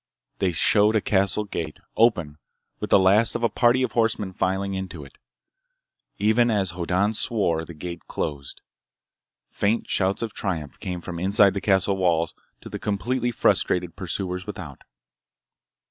They showed a castle gate, open, with the last of a party of horsemen filing into it. Even as Hoddan swore, the gate closed. Faint shouts of triumph came from inside the castle walls to the completely frustrated pursuers without.